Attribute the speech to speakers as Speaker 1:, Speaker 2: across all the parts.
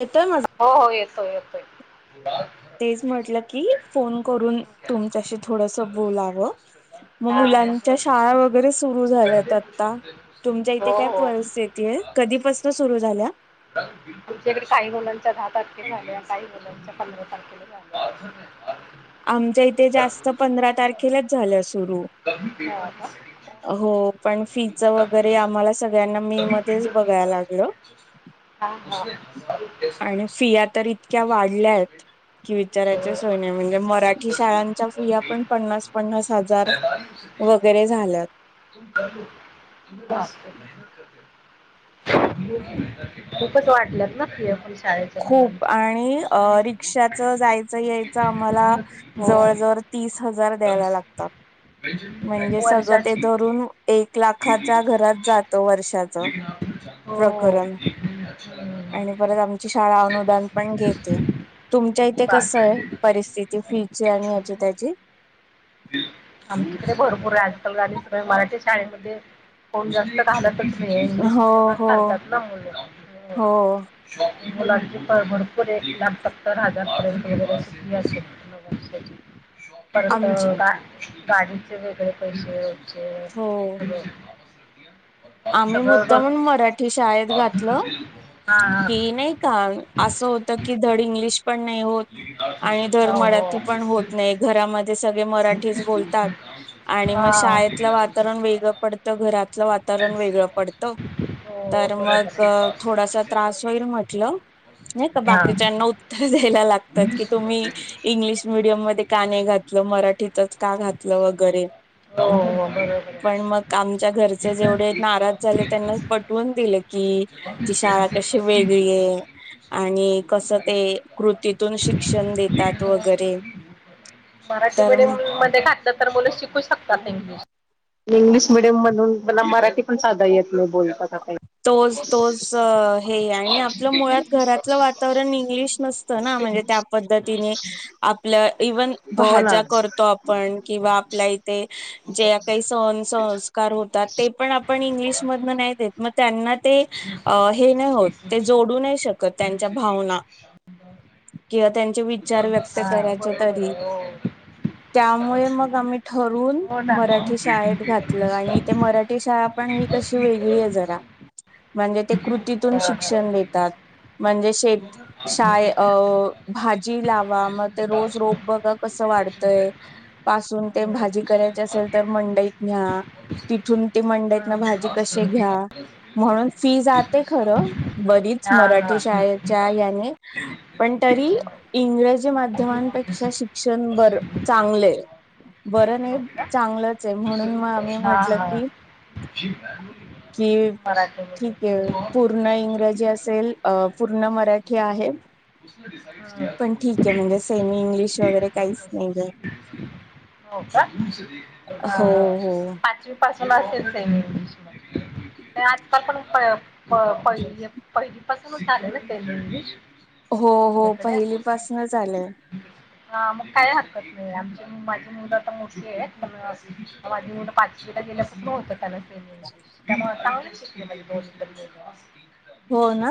Speaker 1: येतोय माझा
Speaker 2: हो, हो येतोय, येतोय.
Speaker 1: तेच म्हटलं की, फोन करून तुमच्याशी थोडस बोलावं. मग
Speaker 2: हा
Speaker 1: मुलांच्या
Speaker 2: बोल.
Speaker 1: शाळा वगैरे सुरू झाल्यात आता, तुमच्या इथे
Speaker 2: हो
Speaker 1: काय
Speaker 2: हो
Speaker 1: पसेल. ते कधीपासून सुरू झाल्या?
Speaker 2: [unintelligible] तुमच्याकडे काही मुलांच्या दहा तारखेला झाल्या आणि काही मुलांच्या पंधरा तारखेला झाल्या.
Speaker 1: आमच्या इथे जास्त पंधरा तारखेलाच झाल्या सुरू.
Speaker 2: हा का.
Speaker 1: हो पण फीच वगैरे आम्हाला सगळ्यांना मी मत तेच बघाय लागल.
Speaker 2: हा, हा.
Speaker 1: आणि फिया तर इतक्या वाढल्यात, कि विचारायच्या सोय नाही. म्हणजे मराठी शाळांच्या फिया पण पन्नास- पन्नास हजार वगैरे झाल्यात.
Speaker 2: [unintelligible] खूपच वाढल्यात ना फिया.
Speaker 1: खूप आणि अ रिक्षाच जायचं-यायचं आम्हाला,
Speaker 2: हो
Speaker 1: जवळ- जवळ तीस हजार द्यायला लागतात. म्हणजे सगळं ते
Speaker 2: वर्षाची
Speaker 1: धरून, एक लाखाच्या घरात जात वर्षाच
Speaker 2: हो हो.
Speaker 1: प्रकरण.
Speaker 2: [unintelligible]
Speaker 1: आणि परत आमची शाळा अनुदान पण घेतय. तुमच्या इथे कसं हाय, परिस्थिती फीची आणि याची -त्याची?
Speaker 2: आमच्याकडे भरपूर हाय, आजकाल आणि सगळ्या मराठी शाळेमध्ये कोण जास्त घालत. इंग्लिश
Speaker 1: हो
Speaker 2: मिडीयम
Speaker 1: हो
Speaker 2: घालतात ना मुल.
Speaker 1: हो
Speaker 2: मुलांची पळ भरपूर हे, एक लाख सत्तर हजार पर्यंत वगैरेे याचे. परत
Speaker 1: आमची
Speaker 2: गाडीचे वेगळे पैशे.
Speaker 1: होय.
Speaker 2: [unintelligible]
Speaker 1: आम्ही
Speaker 2: सगळं बघ
Speaker 1: मुद्दामण मराठी शाळेत घातलं,
Speaker 2: हा हा
Speaker 1: की नाही का असं होतं की धड इंग्लिश पण नाही होत, आणि धंड
Speaker 2: हो हो
Speaker 1: मराठी पण होत नाही घरामध्ये सगळे मराठीच बोलतात, आणि मग
Speaker 2: हा
Speaker 1: शाळेतलं वातावरण वेगळं पडतं घरातलं वातावरण वेगळं पडतं,
Speaker 2: हो
Speaker 1: तर
Speaker 2: बरोबर
Speaker 1: मग
Speaker 2: आहे.
Speaker 1: थोडासा त्रास होईल म्हटलं नाही का
Speaker 2: हा
Speaker 1: बाकीच्यानी उत्तर द्यायला लागतं की तुम्ही इंग्लिश मिडीयम मध्ये का नाही घातल मराठी का घातलं वगैरे
Speaker 2: हो हो बरोबर
Speaker 1: पण
Speaker 2: आहे.
Speaker 1: मग आमचे घरचे जेव्हा थोडे नाराज झाले त्यांना पटवून हे दिले, कि ती शाळा कशी वेगळी आहे आणि कसं ते कृतीतून शिक्षण देतात वगैरे
Speaker 2: मराठी
Speaker 1: तर
Speaker 2: मीडियम मध्ये घातलं तर मुलं शिकू शकतात इंग्लिश, इंग्लिश मिडियम मधून मला मराठी पण साधा येत नाही बोलताना काही,
Speaker 1: तोच तोच हे आणि आपलं मुळात घरातलं वातावरण इंग्लिश नसत हे ना म्हणजे त्या पद्धतीने आपल इवन
Speaker 2: हो ना.
Speaker 1: भाज्या कर तो आपण किंवा आपल्या इथे जे काही सोसोनं संस्कार होतात ते पण आपण इंग्लिश मधन नाही देत, मग त्यांना ते हे नाही होत ते जोडू नाही शकत त्यांच्या भावना, किंवा त्यांचे विचार व्यक्त
Speaker 2: हा
Speaker 1: करायचे
Speaker 2: बरोबर
Speaker 1: तरी,
Speaker 2: आहे हो.
Speaker 1: त्यामुळे मग आम्ही ठरवून
Speaker 2: हो ना. हा
Speaker 1: मराठी शाळेत घातलं आणि ते मराठी शाळा पण ही कशी वेगळी आहे जरा म्हणजे ते कृतीतून
Speaker 2: हा.
Speaker 1: शिक्षण देतात, म्हणजे शेत शाळं अ भाजी लावा मग ते रोज रोप बघ, कस वाढतंय पासून ते भाजी करायची असेल तर मंडईत न्यायचं, तिथून ते मंडईतंन
Speaker 2: हम्म.
Speaker 1: भाजी कसे
Speaker 2: हम्म.
Speaker 1: घ्या, म्हणून फी जाते खरं बरीच
Speaker 2: हाँ
Speaker 1: मराठी शाळेच्या याने, पण तरी इंग्रजी माध्यमांपेक्षा शिक्षण बर चांगलं आहं. बरं नाही
Speaker 2: हाँ।
Speaker 1: चांगलंच आहे म्हणून म आम्ही म्हटलं की
Speaker 2: [unintelligible]
Speaker 1: की
Speaker 2: मराठी.
Speaker 1: ठीक आहे पूर्ण इंग्रजी असेल पूर्ण मराठी आहे.
Speaker 2: [unintelligible]
Speaker 1: पण ठीक आहे म्हणजे सेमी इंग्लिश वगैरे काहीच नाही आहे.
Speaker 2: हो का
Speaker 1: हो हो
Speaker 2: पाचवी पासून असेल तेच इंग्लिश म आजकाल पण पंप पहि पहिली पासूनच आले ना ते इंग्लिश,
Speaker 1: हो हो
Speaker 2: सगळीकडे
Speaker 1: पहिलीपासनचं आलंय.
Speaker 2: हा मग काय हरकत नाही आमची माझी मुूल आता मोठी आहे पण माझी मुल पाचवी गेल्या गेल्या सारखं होतं त्याना,
Speaker 1: हो ना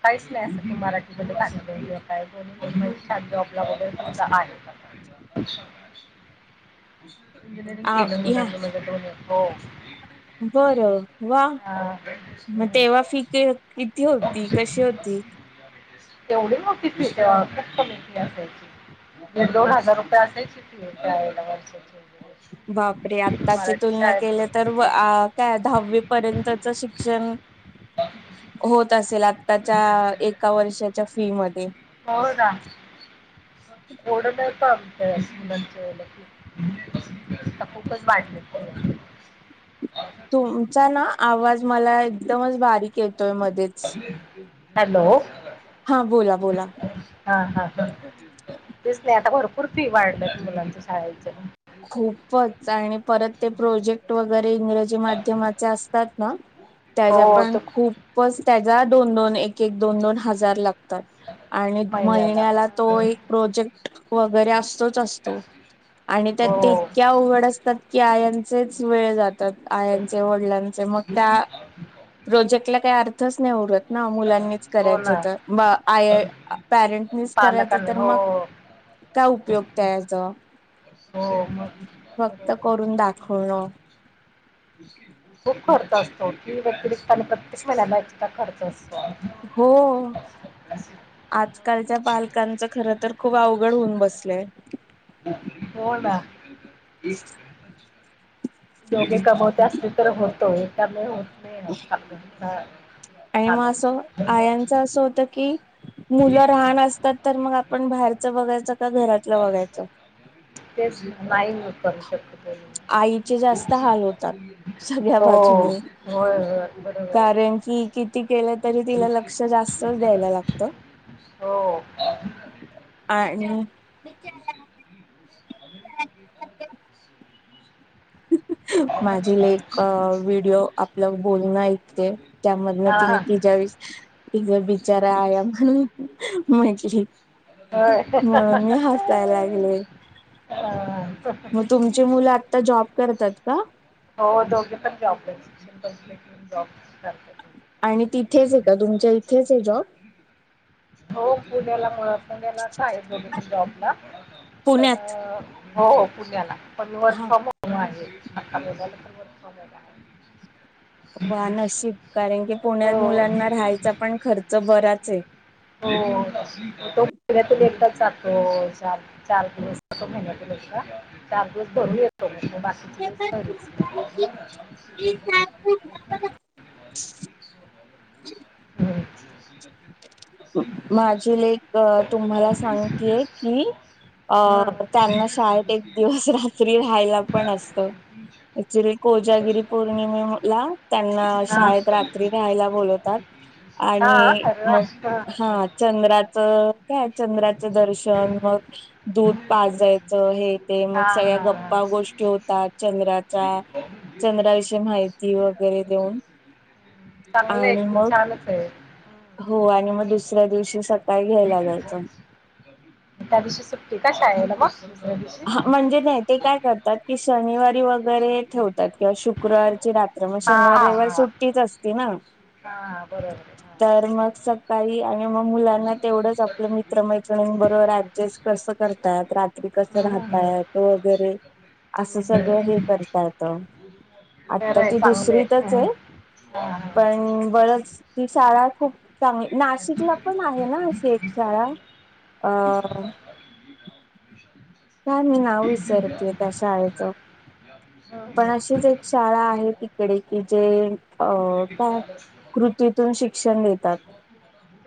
Speaker 2: [unintelligible] काहीच नाही असं मराठी शब्द काय दो शब्द आपलाल सुधा आहेत का. [unintelligible] इंजरींग
Speaker 1: आ
Speaker 2: केलं
Speaker 1: ह्या
Speaker 2: मुलाने माझ्या दोन्ही हो.
Speaker 1: बरं वा
Speaker 2: हा.
Speaker 1: मग तेव्हा फी किती होती कशी होती?
Speaker 2: तेवढी नव्हती फि तेव्हा खूप कमी असायची. एक दोन हजार रुपये असायची त्यावेळेला वर्षाची,
Speaker 1: बापरे
Speaker 2: वगैरे.
Speaker 1: आत्ताची
Speaker 2: मराठी
Speaker 1: तुलना केली तर
Speaker 2: शाळेतून.
Speaker 1: अ त्या दहावी पर्यंतच शिक्षण होत असेल आताच्या एका वर्षाच्या फी मध्ये?
Speaker 2: हो ना थोडं तर चालतंय मुलांच्या वेळेला कुठेच [unintelligible]
Speaker 1: तुमचा ना आवाज मला एकदमच बारीक येतोय मध्येच.
Speaker 2: हॅलो.
Speaker 1: हा बोला बोला.
Speaker 2: हा हा ह तेच की आता भरपूर फी वाढल्यात मुलांच्या शाळेच्या.
Speaker 1: खूपच आणि परत ते प्रोजेक्ट वगैरे इंग्रजी माध्यमाचे असतात ना? त्याच्या
Speaker 2: हो
Speaker 1: पण
Speaker 2: तो
Speaker 1: खूपच त्याचा दोन दोन एक एक दोन दोन हजार लागतात. आणि महिन्याला तो एक प्रोजेक्ट वगैरे असतोच असतो. आणि त्यात ते
Speaker 2: हो.
Speaker 1: इतक्या उघड असतात की आयाचेच वेळ जात आयाचे वडिलांचे मग त्या प्रोजेक्टला काही अर्थच नाही उरत. ना मुलांनीच
Speaker 2: हो
Speaker 1: करायचे
Speaker 2: ना.
Speaker 1: तर आय पॅरेंटनीच करायचं
Speaker 2: पालकांनी
Speaker 1: तर
Speaker 2: हो
Speaker 1: मग. काय उपयोगत त्याचा?
Speaker 2: हो मग
Speaker 1: फक्त
Speaker 2: बरोबर
Speaker 1: करून दाखवणं.
Speaker 2: खूप खर्च असतो फी व्यतिरिक्त प्रत्येक महिन्याला एक्स्ट्रा खर्च असतो.
Speaker 1: हो आजकालच्या पालकांचं खर तर. खूप अवघड होऊन बसलय.
Speaker 2: हो ना. दोघे कमवते असले तर होतं एकट्याने होत नाही आजकाल.
Speaker 1: आणि मग
Speaker 2: चालवणे.
Speaker 1: असं आयांचं असं होत की मुलं लहान असतात तर आपण बाहेरच बघायचं का घरातलं बघायचं
Speaker 2: तेच नाही मी करू शकत.
Speaker 1: आईचे जास्त हाल होतात सगळ्या
Speaker 2: हो
Speaker 1: बाजूनी कारण की किती केलं तरी
Speaker 2: किया
Speaker 1: तिला लक्ष जास्तच द्यायला लागत.
Speaker 2: हो.
Speaker 1: आणि.
Speaker 2: रस नदी ओर अमेरिका [unintelligible]
Speaker 1: [inaudible] माझी लेक आ व्हिडिओ आपलं बोलणं ऐकतेय त्या मधले
Speaker 2: हा
Speaker 1: तिने
Speaker 2: हा.
Speaker 1: तिच्या तिचा बिचारा आया म्हणून म्हटली. म्हणून मी हसाय लागले.
Speaker 2: हा हा.
Speaker 1: मग तुमची मुलं आत्ता जॉब करतात का?
Speaker 2: हो दोघे पण जॉब करतात.
Speaker 1: आणि तिथेच आहे का, तुमच्या इथेच आहे जॉब?
Speaker 2: हो पुण्याला मुळात आहेत दोघेपण जॉबला पण,
Speaker 1: पुण्यात
Speaker 2: हो पुण्याला पण वर्क
Speaker 1: हा
Speaker 2: फ्रॉम होम आहे. आता मुलाला पण वर्क फ्रॉम होम आहे.
Speaker 1: वा नशीब कारण की, पुण्यात
Speaker 2: आहे
Speaker 1: मुलांना
Speaker 2: हो
Speaker 1: राहायचा पण खर्च बराच आहे.
Speaker 2: हो तो पुण्यातून एकटाच जातो चार दिवस महिन्यातून एकदा चार दिवस भरून येतो म्हणतो बाकी [unintelligible]
Speaker 1: [inaudible]
Speaker 2: हम्म.
Speaker 1: माझी लेक तुम्हाला सांगतेय कि, अ
Speaker 2: हम्म.
Speaker 1: त्यांना शाळेत एक दिवस रात्री राहायला पण असत. ऍक्च्युली कोजागिरी पौर्णिमेला त्यांना
Speaker 2: हा.
Speaker 1: शाळेत रात्री राहायला बोलवतात.
Speaker 2: हा,
Speaker 1: आणि
Speaker 2: अरे वा.
Speaker 1: मग हा चंद्राचं काय चंद्राचं दर्शन मग दूध पाजयचं हे ते मग सगळ्या
Speaker 2: हाँ,
Speaker 1: गप्पा गोष्टी होतात चंद्रात वगैरे देऊन
Speaker 2: [unintelligible] चांगलंय
Speaker 1: आणि
Speaker 2: की
Speaker 1: मग
Speaker 2: छानच आहे.
Speaker 1: हो आणि मग दुसऱ्या दिवशी सकाळी घ्यायला जायचं.
Speaker 2: त्या दिवशी सुट्टी का शाळेला मग?
Speaker 1: हा म्हणजे ते काय करतात की शनिवारी वगैरे ठेवतात किंवा शुक्रवारची रात्र मग शनिवार रविवार सुट्टीच असती ना
Speaker 2: हा बरोबर
Speaker 1: तर मग सकाळी मग मुलाना तेवढंच आपले मित्रमैत्रणीं बरोबर ऍडजस्ट कस करतात रात्री कसं राहता येत वगैरे असं सगळं हे करता येत आता ती दुसरीतच आहे.
Speaker 2: हा हं
Speaker 1: बरच ती शाळा खूप चांगली नाशिकला पण आहे ना अशी एक शाळा अ थांब मी नाव विसरतेय त्या शाळेचं
Speaker 2: हम
Speaker 1: पण अशीच एक शाळा आहे तिकडे की जे अ काय कृतीतून शिक्षण देतात.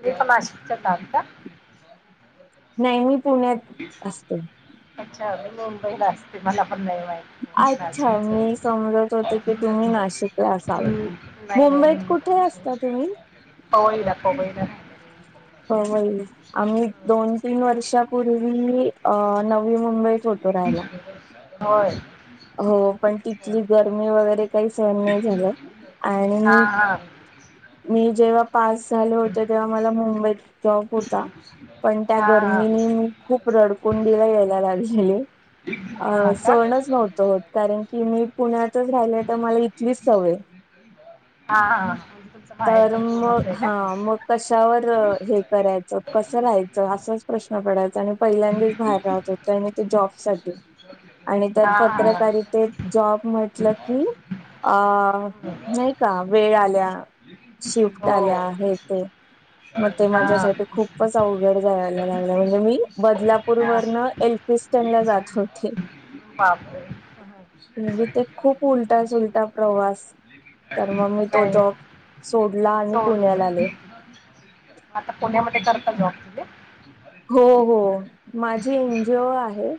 Speaker 2: द्वीपमासिकच्या तारखा.
Speaker 1: नाही मी पुण्यात असते.
Speaker 2: अच्छा मी मुंबईला असते मला पण नाही माहिती.
Speaker 1: अच्छा
Speaker 2: नाशिकच.
Speaker 1: मी समजत होते की तुम्ही नाशिकला असाल.
Speaker 2: हम्म नाही नाही
Speaker 1: मुंबईत
Speaker 2: मी
Speaker 1: कुठे असता तुम्ही?
Speaker 2: पवईला पवई ला राहते.
Speaker 1: पवई आम्ही दोन तीन वर्षापूर्वी अ नवी मुंबई
Speaker 2: होय
Speaker 1: हो पण तिथली गर्मी वगैरे काही सहन नाही झालं
Speaker 2: हा
Speaker 1: आणि
Speaker 2: हा.
Speaker 1: मी जेव्हा पास झाले होते तेव्हा मला मुंबईत जॉब होता पण त्या
Speaker 2: हा हा.
Speaker 1: गर्मीनी खूप रडकुंडीला यायला लागलेले अ
Speaker 2: हा का?
Speaker 1: सहनच नव्हत होत कारण की मी पुण्यातच राहिले तर मला इथलीच सवय.
Speaker 2: हा हा म्हणजे तुमचं माहेर
Speaker 1: तर
Speaker 2: पण
Speaker 1: मग
Speaker 2: पुणच आहे का?
Speaker 1: हा मग कशावर हे करायचं. तर कसं राहायचं असाच प्रश्न पडायचा आणि पहिल्यांदाच बाहेर राहत होत आणि ते जॉब आणि त्यात
Speaker 2: हा हा.
Speaker 1: पत्रकारित जॉब म्हटलं की अ नाही का वेळ आल्या. शिफ्ट आल्या हे
Speaker 2: हो.
Speaker 1: ते. मग ते
Speaker 2: हाँ।
Speaker 1: माझ्यासाठी खूपच अवघड जायला लागले म्हणजे मी बदलापूर
Speaker 2: हाँ।
Speaker 1: वरन एलफी त्यांनन जात होती.
Speaker 2: बापरे!
Speaker 1: म्हणजे ते खूप उलटा सुलटा प्रवास तर मग मी तो
Speaker 2: [unintelligible]
Speaker 1: जॉब सोडला आणि
Speaker 2: सोड
Speaker 1: पुण्याला आले
Speaker 2: आता पुण्यामध्ये करता जॉब तुम्ही?
Speaker 1: हो हो. माझी एनजीओ आहे.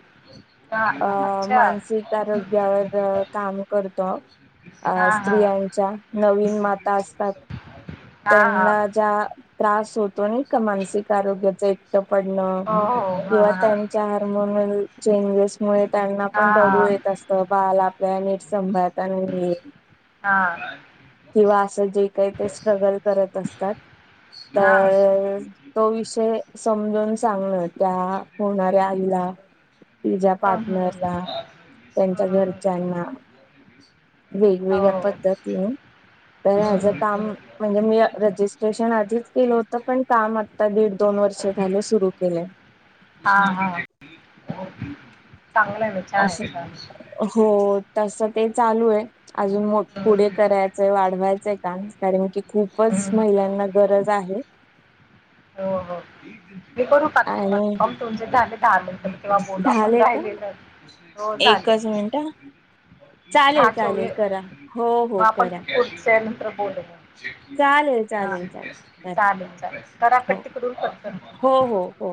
Speaker 2: हा
Speaker 1: अ
Speaker 2: हा, अच्छा
Speaker 1: मानसिक आरोग्यावर काम करतो. अ स्त्रियांच्या
Speaker 2: से
Speaker 1: नवीन माता असतात. त्यांना ज्या त्रास होतो नाही का मानसिक आरोग्याचा एक.
Speaker 2: की।
Speaker 1: [unintelligible] किंवा त्यांच्या हार्मोनल चेंजेस मुळे त्यांना पण रडू येत असल. बाळाला आपल्याला नीट संभाळता नाही येत.
Speaker 2: हा.
Speaker 1: किंवा असं जे काही ते स्ट्रगल करत असतात तर. तो विषय समजून सांगण त्या होणाऱ्या आईला. तिझा
Speaker 2: दिखाई
Speaker 1: पार्टनरला
Speaker 2: हं,
Speaker 1: त्यांच्या
Speaker 2: हं, हं.
Speaker 1: घरच्यांना. वेगवेगळ्या पद्धतीने तर
Speaker 2: हा
Speaker 1: हच काम. म्हणजे मी रजिस्ट्रेशन आधीच केलं होतं. पण काम आता दीड. दोन वर्ष झालं सुरु केले.
Speaker 2: हा हा चांगलं ना छान
Speaker 1: असं
Speaker 2: छान.
Speaker 1: हो तस ते चालू आहे. अजून पुढे करायचंय वाढवायचंय काम कारण की खूपच
Speaker 2: हम्म.
Speaker 1: महिलांना. गरज आहे.
Speaker 2: हो हो मी करू का
Speaker 1: आणि
Speaker 2: तुम्हाला म तुमचे झाले दहा मिनिटं? तेव्हा बोलू आपण
Speaker 1: झाले का
Speaker 2: राहिलेलं. हो झाले.
Speaker 1: एकच मिनिट हा चालेल चालेल करा. हो
Speaker 2: [unintelligible] म
Speaker 1: हो
Speaker 2: आपण. [inaudible]
Speaker 1: करा चालेल चालेल चालेल करा
Speaker 2: चालेल चालेल. करा
Speaker 1: हो
Speaker 2: तिकडून कट कर.
Speaker 1: हो हो हो.